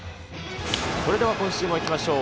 それでは今週もいきましょう。